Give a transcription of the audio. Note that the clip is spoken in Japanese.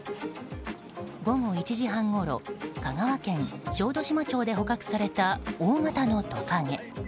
午後１時半ごろ香川県小豆島町で捕獲された大型のトカゲ。